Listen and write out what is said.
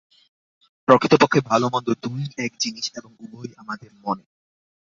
প্রকৃতপক্ষে ভাল-মন্দ দুই-ই এক জিনিষ এবং উভয়েই আমাদের মনে।